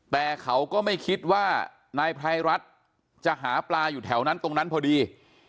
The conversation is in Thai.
แต่เขาก็ไม่คิดว่านายไพรรัฐจะหาปลาอยู่แถวนั้นตรงนั้นพอดี